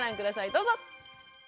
どうぞ！